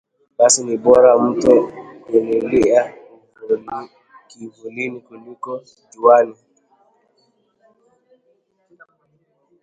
Basi ni bora mtu kulilia kivulini kuliko juani